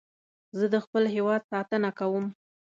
زه د خپل هېواد ساتنه کوم